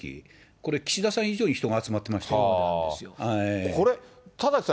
これ、岸田さん以上に人が集まっこれ、田崎さん